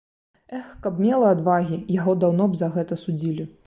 Эх, каб мела адвагі, яго даўно б за гэта судзілі!